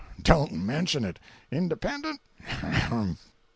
Don't mention it! Independent?